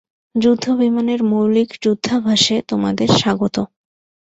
যুদ্ধ বিমানের মৌলিক যুদ্ধাভ্যাসে তোমাদের স্বাগত।